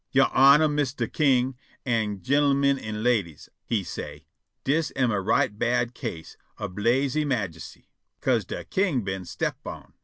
"Your Honor, Mistah King, an' gin'l'min an' ladies," he say', "dis am a right bad case ob lasy majesty, 'ca'se de king been step on.